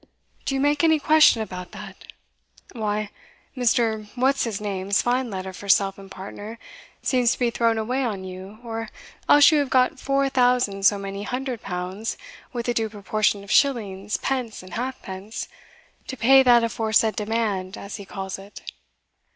Do you make any question about that? Why, Mr. what's his name's fine letter for self and partner seems to be thrown away on you, or else you have got four thousand so many hundred pounds, with the due proportion of shillings, pence, and half pence, to pay that aforesaid demand, as he calls it."